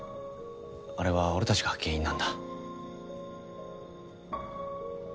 あれは俺たちが原因なんだ。